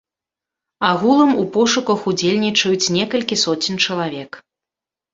Агулам у пошуках удзельнічаюць некалькі соцень чалавек.